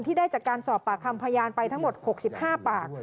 ได้จากการสอบปากคำพยานไปทั้งหมด๖๕ปาก